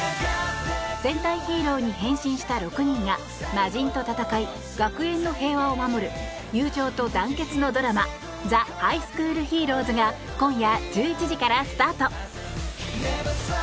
戦隊ヒーローに変身した６人が魔人と戦い、学園の平和を守る友情と団結のドラマ「ザ・ハイスクールヒーローズ」が今夜１１時からスタート。